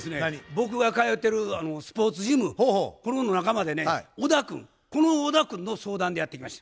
僕が通うてるスポーツジムこれの仲間でね小田君この小田君の相談でやって来ました。